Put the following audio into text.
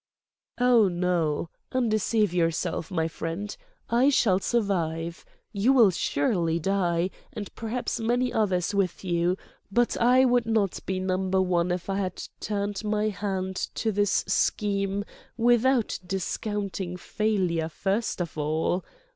"Oh, no. Undeceive yourself, my friend. I shall survive. You will surely die, and perhaps many others with you; but I would not be Number One if I had turned my hand to this scheme without discounting failure first of all.